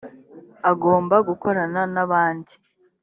agomba gukorana n’abandi